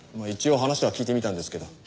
一応話は聞いてみたんですけど。